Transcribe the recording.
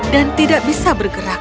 dan tidak bisa bergerak